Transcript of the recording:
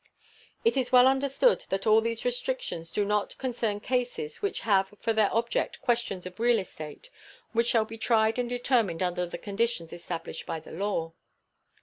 It is well understood that all these restrictions do not concern cases which have for their object questions of real estate, which shall be tried and determined under the conditions established by the law.